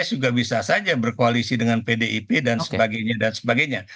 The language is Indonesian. pks juga bisa saja berkoalisi dengan pdip dan sebagainya dan sebagainya